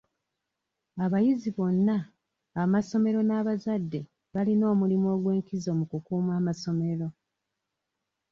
Abayizi bonna, amasomero n'abazadde balina omulimu ogw'enkizo mu kukuuma amasomero